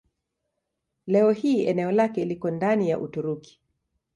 Leo hii eneo lake liko ndani ya Uturuki.